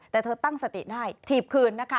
แต่เธอตั้งสติได้ถีบคืนนะคะ